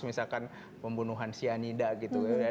misalkan pembunuhan sianida gitu